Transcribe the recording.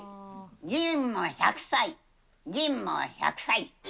ぎんも１００歳、ぎんも１００歳。